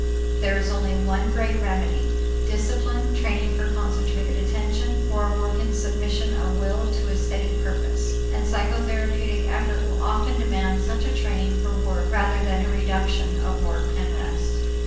There is only one great remedy: discipline, training for concentrated attention, for a work in submission of will to a steady purpose. And psychotherapeutic effort will often demand such a training for work rather than a reduction of work and rest.